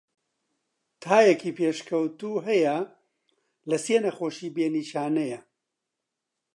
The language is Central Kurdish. تایەکی پێشکەوتوو هەیە لە سێ نەخۆشی بێ نیشانە.